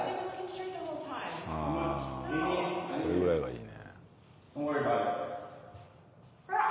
これぐらいがいいね。